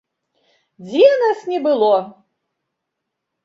Дзе нас не было?